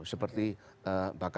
seperti bakal lembaga